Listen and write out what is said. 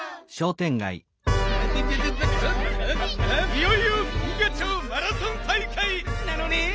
いよいよ銀河町マラソン大会なのねん！